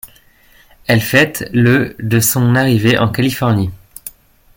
Elle fête le de son arrivée en Californie.